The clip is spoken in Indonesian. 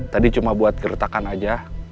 tadi cuma buat gertakan aja